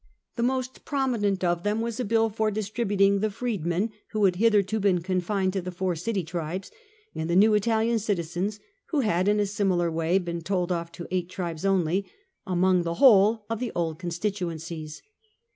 The most prominent of them was a bill for distributing the freedmen (who had hitherto been confined to the four city tribes) and the new Italian citizens (who had in a similar way been told off to eight tribes only) among the whole of the old constituencies.